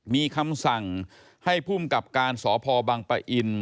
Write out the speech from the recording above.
มีคำสั่งให้ภูมิกับการสพบังปะอิน